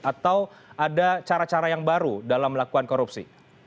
atau ada cara cara yang baru dalam melakukan korupsi